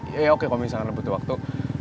ya oke kalau misalnya butuh waktu